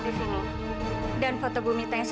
pak idad terima kasih